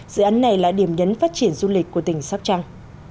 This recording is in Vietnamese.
dự án này là điểm nhấn phát triển du lịch của tỉnh sóc trăng